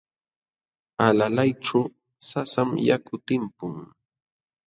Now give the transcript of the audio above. Alalayćhu sasam yaku timpun.